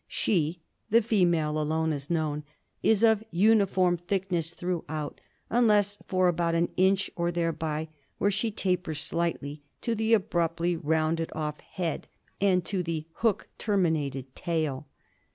She (the female alone is known) is of uniform thickness throughout, unless for about an inch or thereby where she tapers slightly to the abruptly rouncj^d off head and to the hook terminated tail.